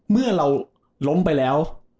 เมื่อเราล้มไปแล้ว